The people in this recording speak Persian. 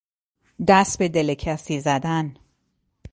دست به دل کسی زدن